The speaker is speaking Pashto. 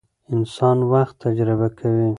انسان وخت تجربه کوي.